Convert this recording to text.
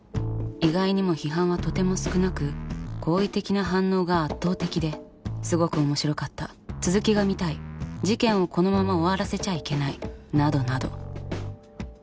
意外にも批判はとても少なく好意的な反応が圧倒的ですごく面白かった続きが見たい事件をこのまま終わらせちゃいけないなどなど。